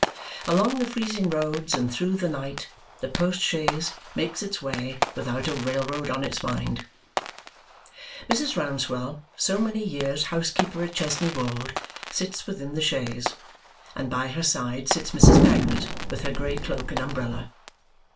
Along the freezing roads, and through the night, the post chaise makes its way without a railroad on its mind. Mrs. Rouncewell, so many years housekeeper at Chesney Wold, sits within the chaise; and by her side sits Mrs. Bagnet with her grey cloak and umbrella.